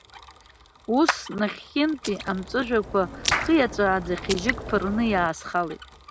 Ус, нахьхьынтәи амҵәыжәҩақәа хиаҵәааӡа хьажьык ԥырны иаасхалеит.